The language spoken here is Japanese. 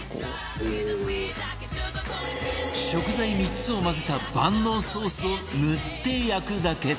食材３つを混ぜた万能ソースを塗って焼くだけ